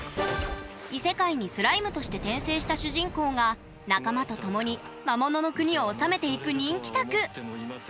異世界にスライムとして転生した主人公が仲間と共に魔物の国を治めていく人気作。